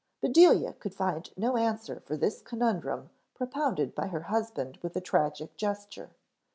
Bedelia could find no answer for this conundrum propounded by her husband with a tragic gesture.